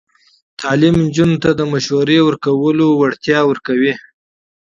تعلیم نجونو ته د مشاوره ورکولو مهارت ورکوي.